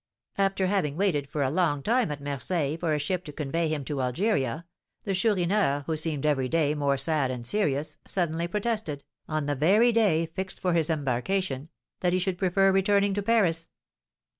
"After having waited for a long time at Marseilles for a ship to convey him to Algeria, the Chourineur, who seemed every day more sad and serious, suddenly protested, on the very day fixed for his embarkation, that he should prefer returning to Paris."